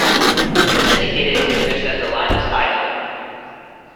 This indicated to switch that the line was idle.